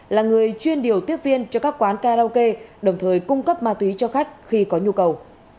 là người chuyên điều tiếp viên cho các quán karaoke đồng thời cung cấp ma túy cho khách khi có nhu cầu